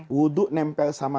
wudhu nempel sama